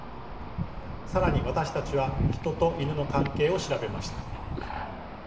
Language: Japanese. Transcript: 更に私たちはヒトとイヌの関係を調べました。